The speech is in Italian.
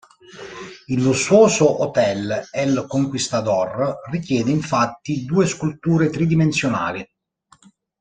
Il lussuoso hotel "El Conquistador" richiede infatti due sculture tridimensionali.